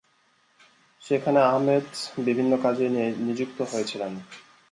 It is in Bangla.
সেখানে আহমদ বিভিন্ন কাজে নিযুক্ত হয়েছিলেন।